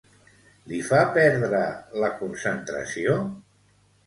Li fa perdre la concentració?